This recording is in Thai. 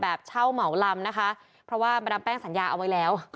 เช่าเหมาลำนะคะเพราะว่ามาดามแป้งสัญญาเอาไว้แล้ว